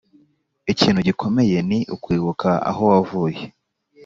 ikintu gikomeye ni ukwibuka aho wavuye,